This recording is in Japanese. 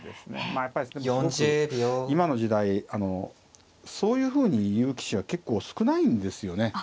まあやっぱりでもすごく今の時代そういうふうに言う棋士は結構少ないんですよね。